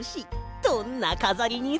どんなかざりにする？